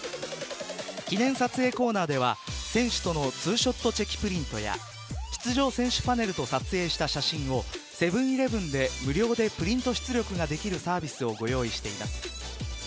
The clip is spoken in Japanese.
記念撮影コーナーでは選手との２ショットチェキプリントや出場選手パネルと撮影した写真をセブン‐イレブンで無料でプリント出力ができるサービスをご用意しています。